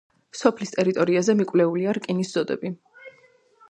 სოფელის ტერიტორიაზე მიკვლეულია რკინის ზოდები.